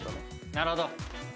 なるほど。